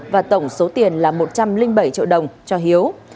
là một trăm linh bảy triệu đồng cho hiếu